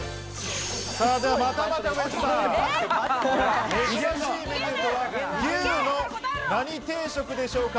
では、またまたウエンツさん。珍しいメニューとは、牛の何定食でしょうか？